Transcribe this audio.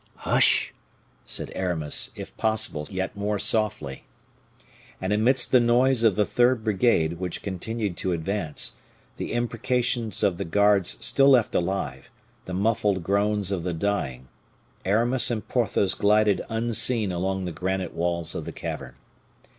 "Hush!" said Aramis, if possible, yet more softly. And amidst the noise of the third brigade, which continued to advance, the imprecations of the guards still left alive, the muffled groans of the dying, Aramis and Porthos glided unseen along the granite walls of the cavern.